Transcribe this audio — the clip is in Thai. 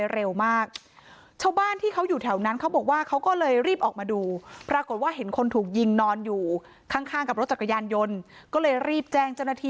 ทำไมได้ยินเสียงเปลือนสามนัท